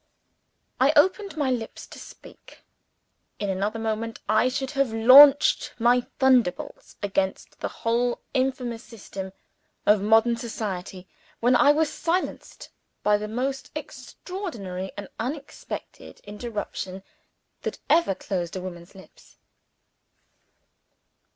I opened my lips to speak. In another moment I should have launched my thunderbolts against the whole infamous system of modern society, when I was silenced by the most extraordinary and unexpected interruption that ever closed a woman's lips.